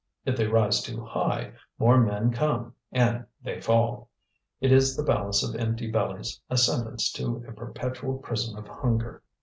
If they rise too high, more men come, and they fall. It is the balance of empty bellies, a sentence to a perpetual prison of hunger."